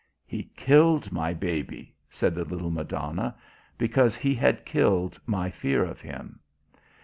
"He killed my baby," said the little Madonna, "because he had killed my fear of him.